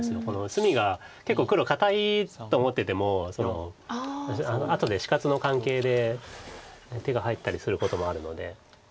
隅が結構黒堅いと思ってても後で死活の関係で手が入ったりすることもあるので。